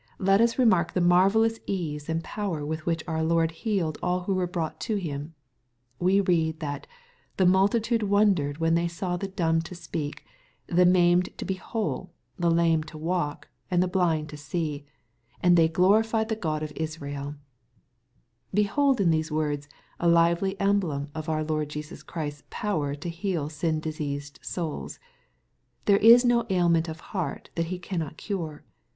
Jet us remark the marvdhua ease and power with which our Lord healed all who toere brought to Him. We read that " the multitude won dered when they saw the dumb to speak, the maimed to be whole, the lame to walk, and the blind to see ; and they glorified the God of Israel/' Behold in these words a lively emblem of our Lord Jesus Christ's power to heal sin diseased souls I There b no ailment of heart that He cannot cure.